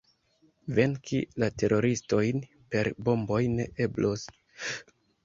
Venki la teroristojn per bomboj ne eblos.